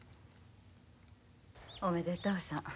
おめでとうさん。